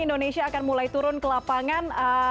indonesia akan mulai turun ke lapangan